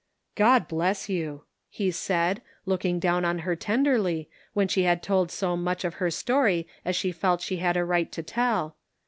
" God bless yon !" he said, looking down on her tenderly, when she had told so much of her story as she felt she had a right to tell.